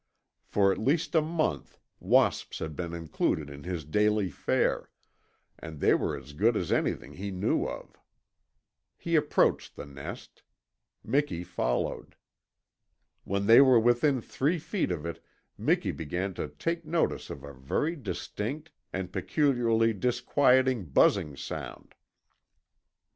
For at least a month wasps had been included in his daily fare, and they were as good as anything he knew of. He approached the nest; Miki followed. When they were within three feet of it Miki began to take notice of a very distinct and peculiarly disquieting buzzing sound.